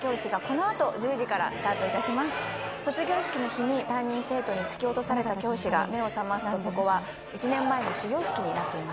卒業式の日に担任生徒に突き落とされた教師が目を覚ますとそこは１年前の始業式になっています。